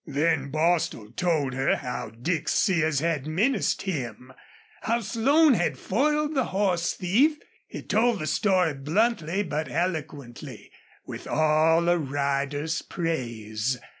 Then Bostil told her how Dick Sears had menaced him how Slone had foiled the horse thief. He told the story bluntly, but eloquently, with all a rider's praise.